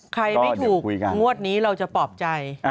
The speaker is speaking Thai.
ใครไม่ถูกงวดนี้เราจะปลอบใจ